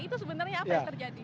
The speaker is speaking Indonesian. itu sebenarnya apa yang terjadi